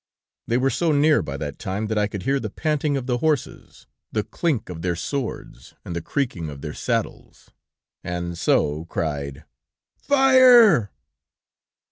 "They were so near by that time, that I could hear the panting of the horses, the clink of their swords, and the creaking of their saddles, and so cried: 'Fire!'"